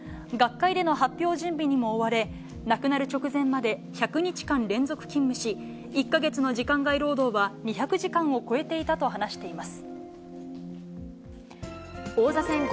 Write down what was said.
遺族は高島さんが患者の治療のほか、学会での発表準備にも追われ、亡くなる直前まで１００日間連続勤務し、１か月の時間外労働は、２００時間を超えていたと話しています。